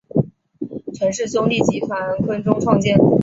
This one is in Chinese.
陈氏兄弟集团昆仲创建。